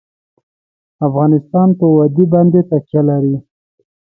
افغانستان په وادي باندې تکیه لري.